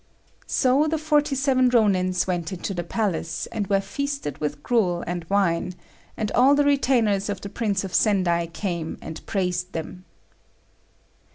So the forty seven Rônins went into the palace, and were feasted with gruel and wine, and all the retainers of the Prince of Sendai came and praised them.